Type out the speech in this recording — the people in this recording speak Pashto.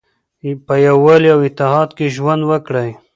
په یووالي او اتحاد کې ژوند وکړئ.